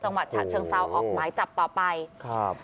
จังหวัดฉะเชิงเซาออกหมายจับต่อไปครับ